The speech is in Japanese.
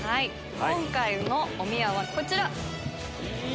今回のおみやはこちら！